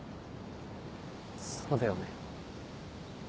そうだよね。